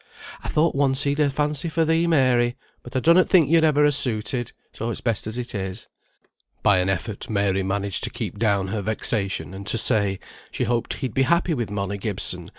I thought once he'd a fancy for thee, Mary, but I donnot think yo'd ever ha' suited, so it's best as it is." By an effort Mary managed to keep down her vexation, and to say, "She hoped he'd be happy with Molly Gibson.